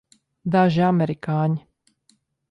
Daži amerikāņi.